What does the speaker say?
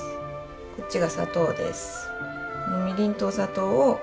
こっちが砂糖です。